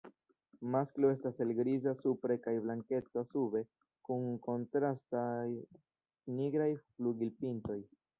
Masklo estas helgriza supre kaj blankeca sube, kun kontrastaj nigraj flugilpintoj.